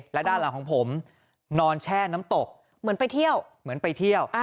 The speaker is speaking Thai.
และด้านหลังของผมนอนแช่น้ำตกเหมือนไปเที่ยวเหมือนไปเที่ยว